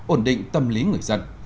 ổn định tâm lý người dân